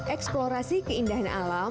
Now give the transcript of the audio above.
eksplorasi keindahan alam